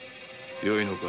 よいのか？